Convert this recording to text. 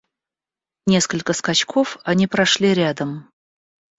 Несколько скачков они прошли рядом.